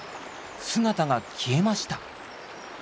姿が消えました。